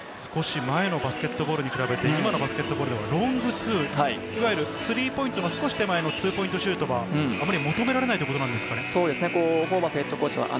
少し前のバスケットボールに比べて、今はロングツー、いわゆるスリーポイントの少し手前のツーポイントシュートは、あまり求められないということですか？